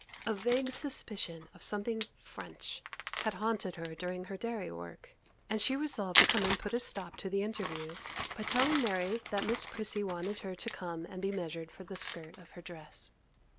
A vague suspicion of something French had haunted her during her dairy work, and she resolved to come and put a stop to the interview by telling Mary that Miss Prissy wanted her to come and be measured for the skirt of her dress.